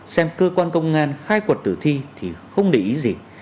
xem cơ quan công an khai quật tử thi thì không để ý gì